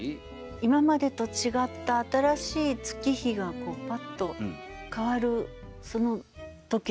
今までと違った新しい月日がパッとかわるその時なんだろう。